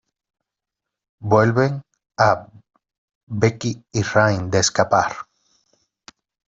Vuelven a Becky y Rain de escapar.